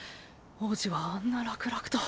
王子はあんな楽々と。